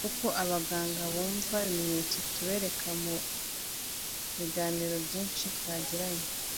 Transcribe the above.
kuko abangaga bumva ibimenyetso tubereka mu biganiro byinshi twagiranye